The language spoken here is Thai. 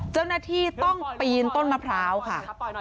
เจ้าหน้าที่ต้องปีนต้นมะพร้าวค่ะ